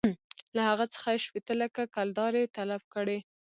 له هغه څخه یې شپېته لکه کلدارې طلب کړې.